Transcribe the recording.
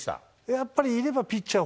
やっぱりいればピッチャー